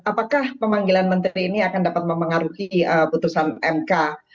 apakah pemanggilan menteri ini akan dapat memengaruhi putusan mk